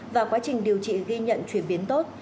và quá trình điều trị ghi nhận chuyển biến tốt